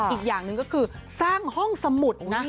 อีกอย่างหนึ่งก็คือสร้างห้องสมุดนะ